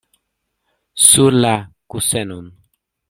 Sur la kusenon!